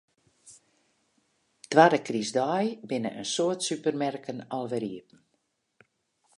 Twadde krystdei binne in soad supermerken alwer iepen.